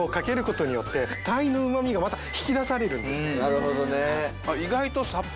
なるほどね。